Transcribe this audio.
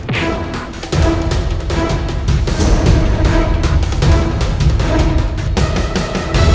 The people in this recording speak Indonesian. kanda akan menanyakannya kepada mereka